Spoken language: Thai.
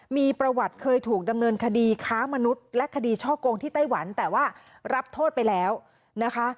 มีประวัติเคยถูกดำเนินคดีค้ามนุษย์และคดีช่อกงที่ไต้หวันแต่ว่ารับโทษไปแล้วนะคะ